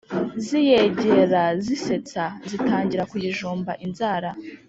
ziyegera zisetsa zitangira kuyijomba inzara.